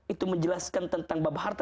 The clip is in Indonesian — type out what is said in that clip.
itu menjelaskan tentang bab harta